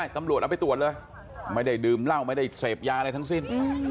ตำรวจเอาไปตรวจเลยไม่ได้ดื่มเหล้าไม่ได้เสพยาอะไรทั้งสิ้น